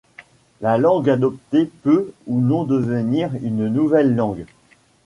La langue adoptée peut ou non devenir une nouvelle langue.